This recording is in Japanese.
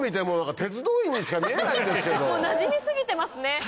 もうなじみ過ぎてますね。